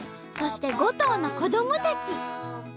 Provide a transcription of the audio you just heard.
そして５頭の子どもたち。